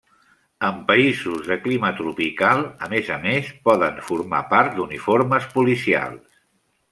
En països de clima tropical, a més a més, poden formar part d'uniformes policials.